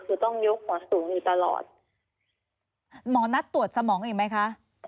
คือต้องยกหมอสูงอยู่ตลอดหมอนัดตรวจสมองอีกไหมคะ